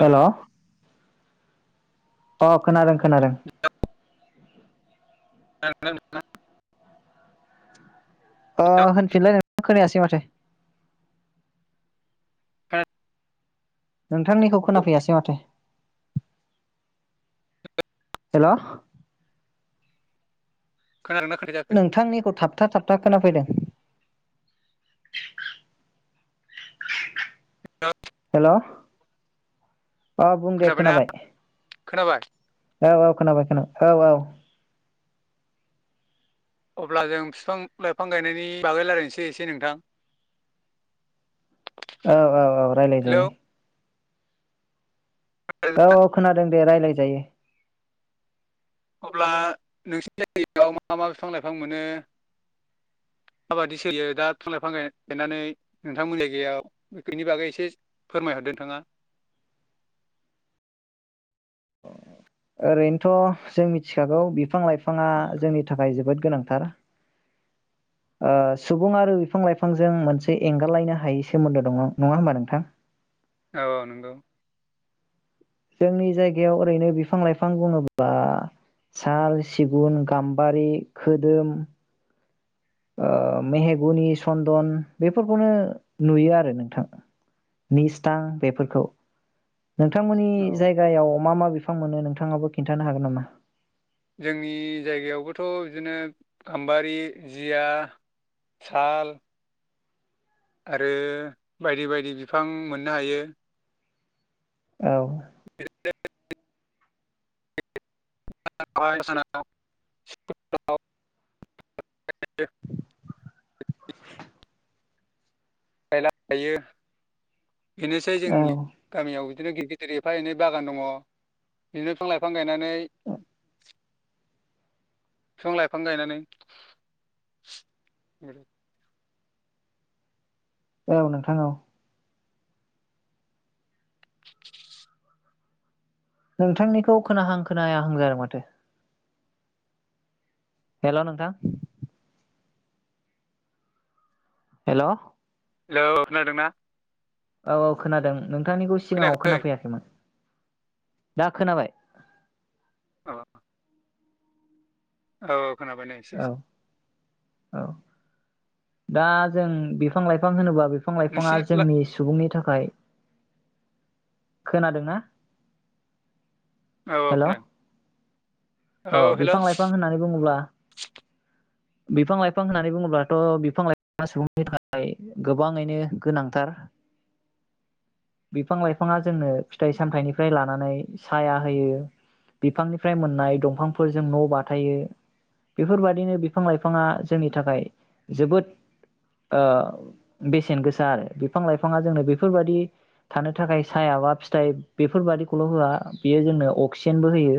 हेल' अ खोनादों [unintelligible] खोनादों। [unintelligible] अ होनफिनलाय खोनायासै माथो। हो नोंथांनिखौ खोनाफैयासै माथो हेल' खोनायाखै जाखो नोंथांनिखौ थाब थाबथा थाबथा खोनाफैदों। हेल' औ बुं दे खोनाबायना खोनाबाय खोनाबाय औ औ खोनाबाय खोनाबाय औ औ। अब्ला जों बिफां लाइफां गायनायनि बागै रायलायनोसै एसे नोंथां। औ औ औ रायलाय हेलौ जायो। औ औ खोनादों। दे रायलाय जायो। अब्ला नोंसिनि जायगायाव मा मा बिफां लाइफां मोनो माबादि सोलियो दा बिफां लाइफां गायनानै नोंथांमोन जायगायाव बेनि बागै एसे फोरमायहरदों नोंथाङा। ओरैनोथ' जों मिथिखागौ बिफां लाइफां बिफाङा जोंनि थाखाय जोबोद गोनां। ओ सुबुं आरो बिफां लाइफांजों मोनसे एंगारलायनो हायै सोमोन्दो दं नङा होमबा नोंथां। औ औ नंगौ। जोंनि जायगायाव ओरैनो बिफां लाइफां बुङोब्ला साल सिगुन गाम्बारि खोदोम। ओ मेहेगुनि सन्दन बेफोरखौनो नुयो आरो नोंथां निस्थां बेफोरखौ नोंथांमोननि औ जायगायाव मा मा बे- बिफां मोनो नोंथाङाबो खिन्थानो हागोन नामा? जोंनि जायगायावबोथ' बिदिनो गाम्बारि जिया साल। आरो बायदि बायदि बिफां मोननो हायो। औ [unintelligible] [unintelligible] गायला थायो। बेनोसै औ जोंनि गामियाव बिदिनो गिद गिदिर एफा एनै बागान दङ बिदिनो बिफां लाइफां गायनानै बिफां लाइफां गायनानै औ नोंथां औ नोंथांनिखौ खोनाहां खोनायाहां जादों माथो। हेल' नोंथां। हेल' हेल' खोनादोंना? औ औ खोनादों। नोंथांनिखौ सिगाङाव खोनायाखै खोनाफैयाखैमोन। दा खोनाबाय औ औ खोनाबाय [unintelligible] औ औ दा जों बिफां लाइफां होनोबा बिफां लाइफाङा नोंसिनि जोंनि सुबुंनि था खाय खोनादोंना औ औ हेल' खोनादों अ औ हेलौ बिफां लाइफां होननानै बुङोब्ला बिफां लाइफां होननानै बुङोब्लाथ' बिफां लाइफाङा सुबुंनि थाखाय गोबाङैनो गोनांथार बिफां लाइफाङा जोंनो फिथाइ सामथायाइनिफ्राय लानानै साया होयो बिफांनिफ्राय मोननाय दं फांफोरजों न' बाथायो बेफोरबायाददिनो बिफां लाइफाङा जोंनि थाखाय जोबोद ओ बेसेन गोसा आरो बिफां लाइफाङा जोंनो बेफोरबायदि थानो थाखाय सायाबा फिथाइ बेफोरबादिखौल' होआ बियो जोंनो अक्सिजेनबो होयो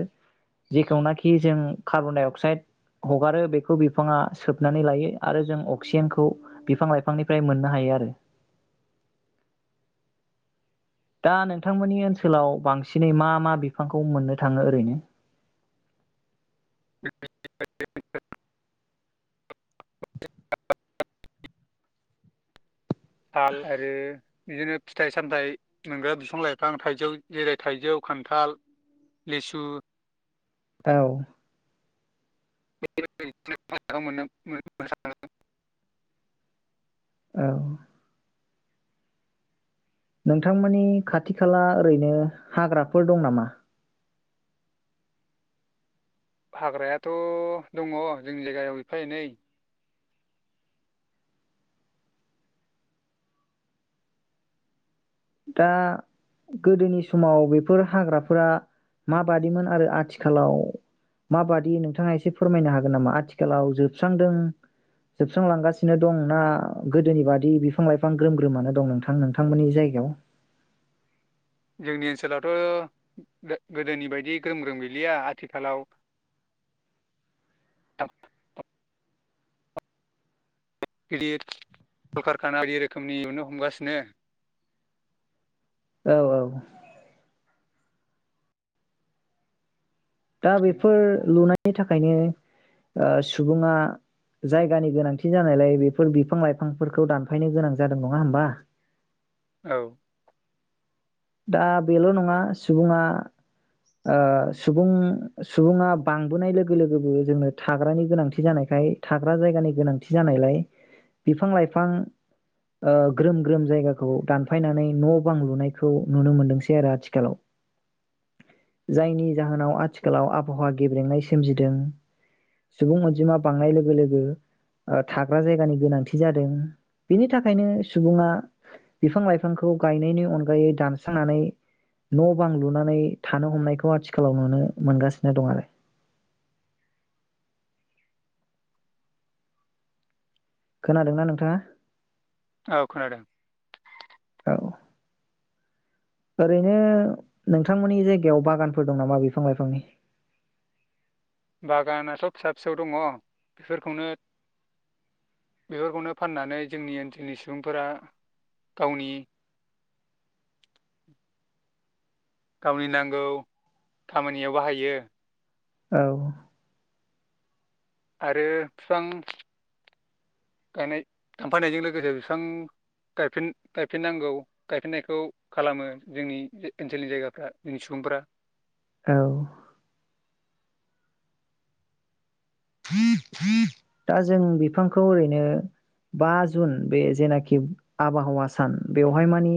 जेखौना खि जों कार्बन डाइअक्साइड हगारो बेखौ बिफाङा सोबनानै लायो आरो जों अक्सिजेनखौ बिफां लाइफांनिफ्राय मोननो हायो आरो दा नोंथांमोननि ओनसोलाव बांसिनै मा मा बिफांखौ मोननो थाङो ओरैनो [unintelligible] थाल आरो बिदिनो फिथाइ सामथायाइ मोनग्रा बिफां लाइफां थाइजौ जेरै थाइजौ खान्थाल लिसु औ [unintelligible] औ नोंथांमोननि खाथि खाला ओरैनो हाग्राफोर दं नामा हाग्रायाथ' दङ जोंनि जायगायाव एफा एनै दा गोदोनि समाव बेफोर हाग्राफोरा माबादिमोन आरो आथिखालाव माबादि नोंथाङा एसे फोरमायनो हागोन नामा आथिखालाव जोबस्रांदों जोबस्रांलांगासिनो दं ना गोदोनि बादि बिफां लाइफां ग्रोम ग्रोमानो दं नोंथां नोंथांमोननि जायगायाव जोंनि ओनसोलावथ' गोदोनि बायदि ग्रोम ग्रोम गैलिया आथिखालाव गिदिर कलकारखाना बायदि रोखोमनि नुनो हमगासिनो औ औ दा बेफोर लुनाय नि थाखायनो ओ सुबुङा जायगानि गोनांथि जानायलाय बेफोर बिफां लाइफांफोरखौ दानफायनो गोनां जादों नङा होमबा औ दा बेल' नङा सुबुङा ओ सुबुं सुबुङा बांबोनाय लोगो लोगोबो जोंनो थाग्रानि गोनांथि जानायखाय थाग्रा जायगानि गोनांथि जानायलाय बिफां लाइफां ओ ग्रोम ग्रोम जायगाखौ दानफायनानै न' बां लुनाय खौ नुनो मोनदोंसै आरो आथिखालाव जायनि जाहोनाव आथिखालाव आबहावा गेब्रेंनाय सोमजिदों सुबुं अनजिमा बांनाय लोगो लोगो थाग्रा जायगानि गोनांथि जादों बेनि थाखायनो सुबुङा बिफां लाइफांखौ गायनायनि अन गायै दानस्रांनानै न' बां लुनानै थानो हमनायखौ आथिखालाव नुनो मोनगासिनो दं आरो खोनादोंना नोंथाङा औ खोनादों औ ओरैनो नोंथांमोननि जायगायाव बागानफोर दं नामा बिफां लाइफांनि बागानाथ' फिसा फिसौ दङ बेफोरखौनो बेफोरखौनो फाननानै जोंनि ओनसोलनि सुबुंफोरा गावनि गावनि नांगौ खामानियाव बाहायो औ आरो बिफां गायनाय थांफायनायजों लोगोसे बिफां गायफिन गायफिननांगौ गायफिननायखौ खालामो जोंनि ओनसोलनि जायगाफ्रा जोंनि सुबुंफोरा औ दा जों बिफांखौ ओरैनो बा जुन बे जेनाखि आबहावा सान बेवहाय मानि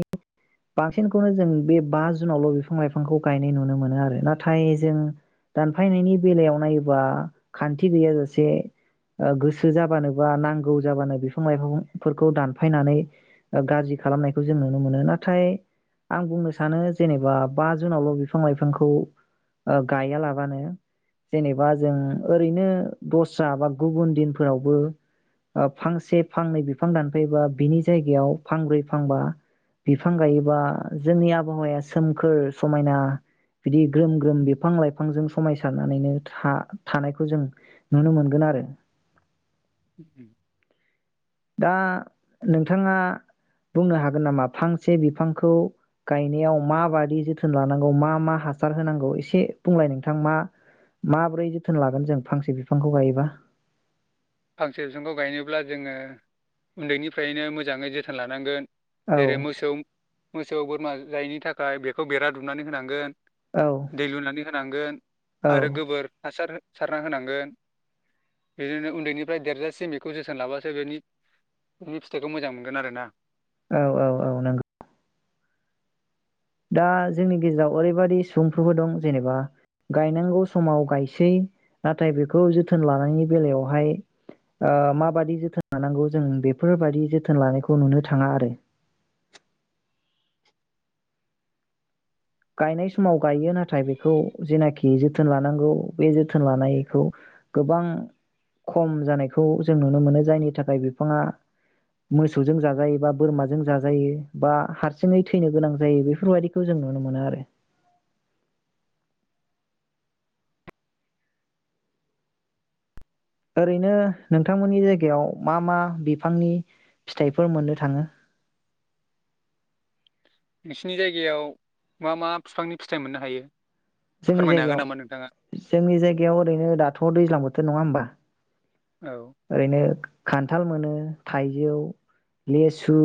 बांसिनखौनो जों बे बा जुनावल' बिफां लाइफांखौ गायनाय नुनो मोनो आरो नाथाय जों दानफायनायनि बेलायाव नायोबा खा न्थि गैयाजासे ओ गोसो जाबानो बा नांगौ जाबानो बिफां लाइफांफोरखौ दानफायनानै गाज्रि खालामनायखौ जों नुनो मोनो नाथाय आं बुंनो सानो जेनेबा बा जुनावल' बिफां लाइफांखौ ओ गायालाबानो जेनेबा जों ओरैनो दस्रा बा गुबुन दिनफोरावबो फांसे फांनै बिफां दानफैबा बिनि जायगायाव फांब्रै फांबा बिफां गायोबा जोंनि आबहावाया सोमखोर समायना बिदि ग्रोम ग्रोम बिफां लाइफांजों समायसारनानैनो था थानायखौ जों नुनो मोनगोन आरो [inaudible] दा नोंथाङा बुंनो हागोन नामा फांसे बिफांखौ गायनायाव माबादि जोथोन लानांगौ मा मा हासार होनांगौ एसे बुंलाय नोंथां मा माबोरै जोथोन लागोन जों फांसे बिफांखौ गायोबा फांसे बिफांखौ गायनोब्ला जोङो उन्दैनिफ्रायनो मोजाङै जोथोन लानांगोन औ जेरै मोसौ मोसौ बोरमा जायनि थाखाय बेखौ बेरादुमनानै होनांगोन। औ दै लुनानै। होनांगोन औ आरो गोबोर हासार सारना होनांगोन बिदिनो उन्दैनि फ्राय देरजासेम बेखौ जोथोन लाबासो बेनि बेनि फिथाइखौ मोजां मोनगोन आरो ना। औ औ औ नोंगौ। दा जोंनि गेजेराव ओरैबादि सुबुंफोरबो दं जेनेबा गायनांगौ समाव गायसै नाथाय बेखौ जोथोन लानायनि बेलायावहाय ओ माबादि जोथोन लानांगौ जों बेफोरबादि जोथोन लानायखौ नुनो थाङा आरो। गायनाय समाव गायो नाथाय बेखौ जेनाखि जोथोन लानांगौ बे जोथोन लानायखौ गोबां खम जानायखौ जों नुनो मोनो जायनि थाखाय बिफाङा मोसौजों जाजायो बा बोरमाजों जाजायो बा हारसिङै थैनो गोनां जायो बेफोरबायदिखौ जों नु नुनो मोनो आरो। ओरैनो नोंथांमोननि जायगायाव मा मा बिफांनि फिथाइफोर मोननो थाङो। नोंसिनि जायगायाव मा मा बिफांनि फिथायाइ मोननो हायो। जोंनि फोरमायनो हागोन नामा नोंथाङा जायगायाव जोंनि जायगायाव ओरैनो दाथ' दैज्लां बोथो बे नङा होमबा। औ ओरैनो खान्थाल मोनो थाइजौ लेसु।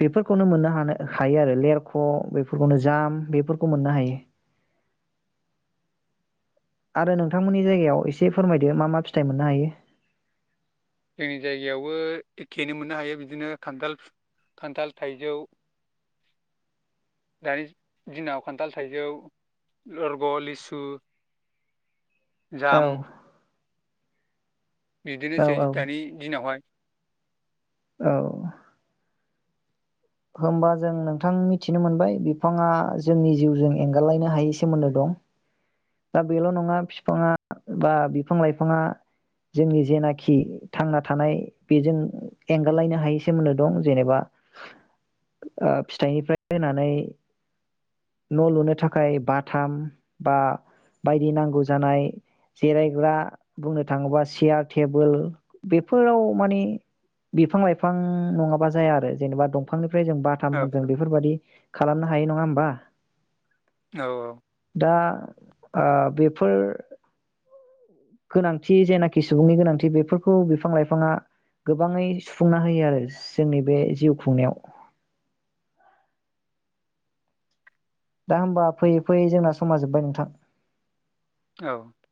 बेफोरखौनो मोननो हानो हायो आरो लेरख' बेफोरखौनो जाम बेफोरखौ मोननो हायो आरो नोंथांमोननि जायगायाव एसे फोरमायदो मा मा फिथाइ मोननो हायो। जोंनि जायगायावबो एखेैनो मोननो हायो बिदिनो खान्थाल खान्थाल थाइजौ दानि दिनाव खान्थाल थाइजौ लरग' लिसु औ जाम औ बिदिनोसै औ दानि दिनावहाय औ होमबा जों नोंथां मिथिनो मोनबाय बिफाङा जोंनि जिउजों एंगारलायनो हायै सोमोन्दो दं दा बेल' नङा बिफाङा बा बिफां लाइफाङा जोंनि जेनाखि थांना थानाय बेजों एंगारलायनो हायै सोमोन्दो दं जेनेबा ओ फिथाइनिफ्राय होनानै न' लुनो थाखाय बाथाम बा बायदि नांगौ जानाय जिरायग्रा बुंनो थाङोबा सियार टेबोल बेफोराव माने बिफां लाइफां नङाबा जाया आरो जेनेबा दं फ्राय जों औ बाथाम जों बेफोरबादि खालामना हायो नङा होमबा औ दा ओ बेफोर गोनांथि जेनाखि सुबुंनि गोनांथि बेफोरखौ बिफां लाइफाङा गोबाङै सुफुंना होयो आरो जोंनि बे जिउ खुंनायाव दा होमबा फैयै फैयै जोंना समा जोबबाय नोंथां। औ होमबा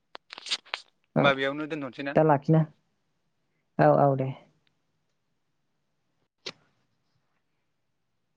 औ बेयावनो दोनथ'नोसै ना? दा लाखिना औ औ दे।